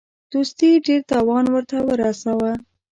دوستي ډېر تاوان ورته ورساوه.